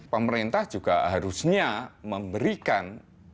pemerintah juga harusnya memberikan